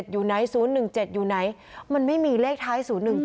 อยู่ไหน๐๑๗อยู่ไหนมันไม่มีเลขท้าย๐๑๗